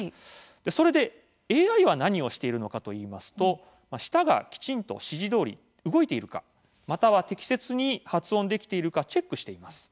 それでＡＩは何をしているのかといいますと、舌がきちんと指示どおり動いているかまたは適切に発音できるかチェックしているんです。